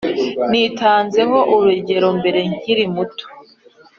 Nitanzeho urugero, mbere nkiri muto